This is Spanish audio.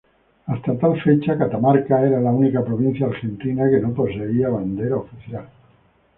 Hasta tal fecha, Catamarca era la única provincia argentina que no poseía bandera oficial.